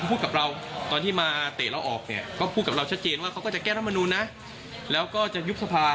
เขาพูดกับเราตอนที่มาเตะเราออกเนี่ย